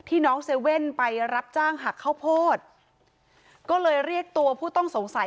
น้องเซเว่นไปรับจ้างหักข้าวโพดก็เลยเรียกตัวผู้ต้องสงสัย